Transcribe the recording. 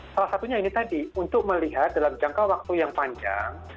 salah satunya ini tadi untuk melihat dalam jangka waktu yang panjang